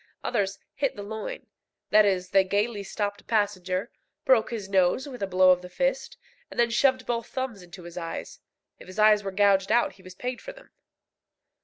Others "hit the lion" that is, they gaily stopped a passenger, broke his nose with a blow of the fist, and then shoved both thumbs into his eyes. If his eyes were gouged out, he was paid for them.